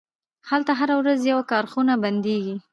هلته هره ورځ یوه کارخونه بندیږي